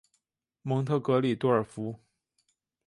蒙特格里多尔福。